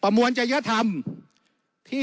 แต่การเลือกนายกรัฐมนตรี